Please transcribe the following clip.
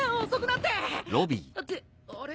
ってあれ？